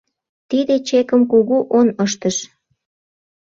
Тиде чекым кугу он ыштыш.